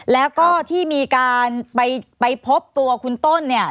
แล้วก็ที่มีการไปพบตัวคุณต้นเนี่ย